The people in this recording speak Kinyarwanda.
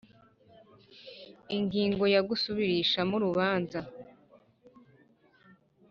Ingingo ya gusubirishamo urubanza